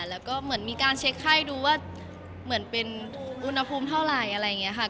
แล้วก็เหมือนมีการเช็คไข้ดูว่าเหมือนเป็นอุณหภูมิเท่าไหร่อะไรอย่างนี้ค่ะ